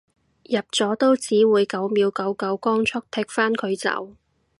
入咗都只會九秒九九光速踢返佢走